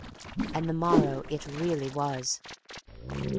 And the morrow it really was.